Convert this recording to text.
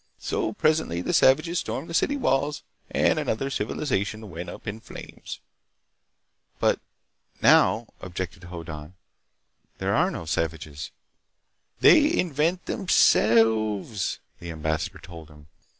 So presently the savages stormed the city walls and another civilization went up in flames." "But now," objected Hoddan, "there are no savages." "They invent themselves," the ambassador told him.